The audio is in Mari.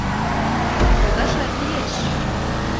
Шогашат лиеш.